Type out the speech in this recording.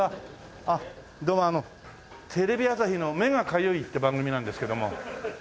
あっどうもあのテレビ朝日の「目がかゆい」って番組なんですけども。